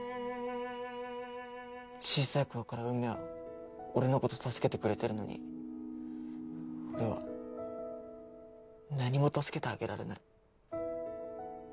小さい頃からうみは俺のこと助けてくれてるのに俺は何も助けてあげられない。